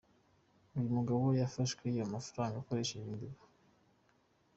Uyu mugabo yafashwe yiba amafaranga akoresheje imbeba.